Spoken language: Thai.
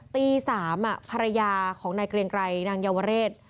ตี๓ภรรยาของนายเกรียงไกรนางเยาวเรศ